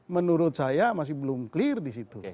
menurut saya masih belum clear disitu